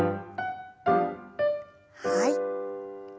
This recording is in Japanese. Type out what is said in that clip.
はい。